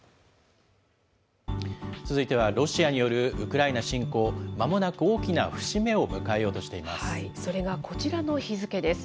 続いてはロシアによるウクライナ侵攻、まもなく大きな節目を迎えようとしています。